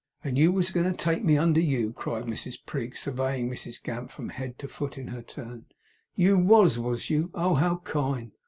'And YOU was a goin' to take me under you!' cried Mrs Prig, surveying Mrs Gamp from head to foot in her turn. 'YOU was, was you? Oh, how kind!